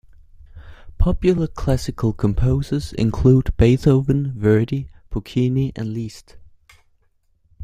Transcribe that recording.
Popular classical composers include Beethoven, Verdi, Puccini and Liszt.